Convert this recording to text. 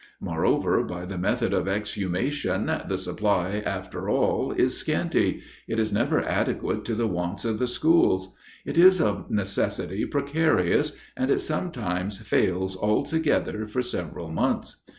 Moreover, by the method of exhumation, the supply after all is scanty; it is never adequate to the wants of the schools; it is of necessity precarious, and it sometimes fails altogether for several months.